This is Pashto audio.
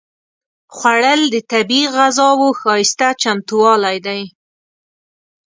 خوړل د طبیعي غذاوو ښايسته چمتووالی دی